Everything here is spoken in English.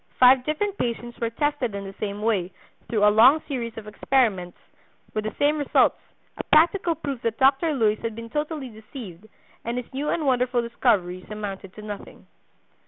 Five different patients were tested in the same way, through a long series of experiments, with the same results, a practical proof that Dr. Luys had been totally deceived and his new and wonderful discoveries amounted to nothing.